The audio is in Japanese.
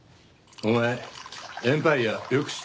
お前エンパイヤよく知ってるよな？